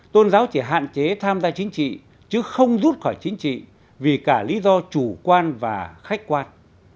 tôn giáo chỉ hạn chế tham gia chính trị chứ không rút khỏi chính trị vì cả lý do chủ quan và khách quan